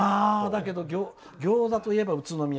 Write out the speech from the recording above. だけど、餃子といえば宇都宮。